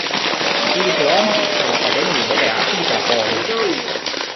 Si diploma all'Accademia di Belle Arti di Cracovia.